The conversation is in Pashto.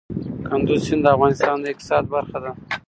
کندز سیند د افغانستان د اقتصاد برخه ده.